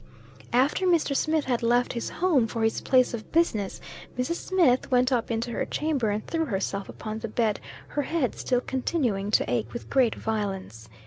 After Mr. Smith had left his home for his place of business, Mrs. Smith went up into her chamber, and threw herself upon the bed, her head still continuing to ache with great violence.